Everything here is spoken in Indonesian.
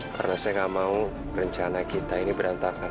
karena saya nggak mau rencana kita ini berantakan